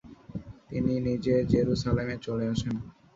তিনি নিজে জেরুসালেমে চলে আসেন।